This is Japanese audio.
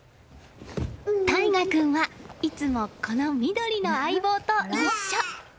大雅君は、いつもこの緑の相棒と一緒。